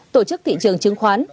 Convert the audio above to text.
tổ chức thị trường chứng khoán